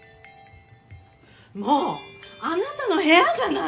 もうあなたの部屋じゃない。